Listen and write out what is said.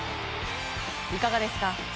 いかがですか？